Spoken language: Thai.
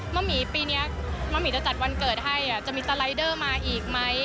หมี่ปีนี้มะหมี่จะจัดวันเกิดให้จะมีสไลเดอร์มาอีกไหม